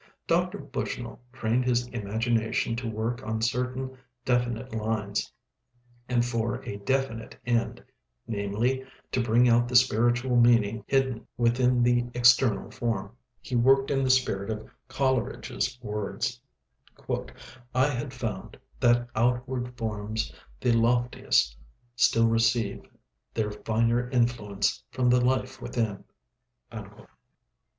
Dr. Bushnell trained his imagination to work on certain definite lines, and for a definite end namely, to bring out the spiritual meaning hidden within the external form. He worked in the spirit of Coleridge's words: "I had found That outward forms the loftiest, still receive Their finer influence from the Life within."